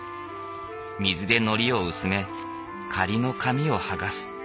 水でのりを薄め仮の紙を剥がす。